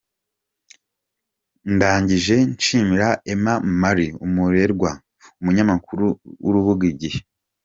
Ndangije nshimira Emma-Marie Umurerwa, umunyamakuru ku rubuga “igihe.